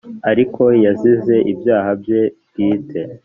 ariko yazize ibyaha bye bwite.